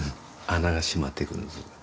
穴がしまってくるんですね。